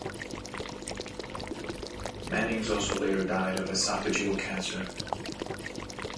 Manings also later died of esophageal cancer.